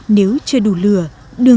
nếu chưa đủ lửa đường